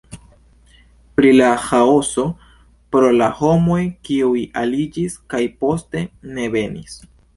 Pri la ĥaoso pro la homoj, kiuj aliĝis kaj poste ne venis.